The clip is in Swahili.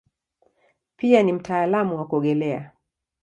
Pia ni mtaalamu wa kuogelea.